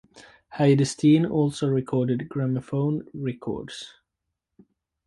Heide Steen also recorded gramophone records.